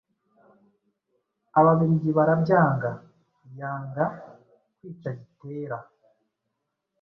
Ababiligi barabyanga, yanga « kwica Gitera